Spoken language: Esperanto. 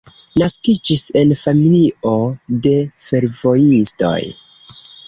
Naskiĝis en familio de fervojistoj.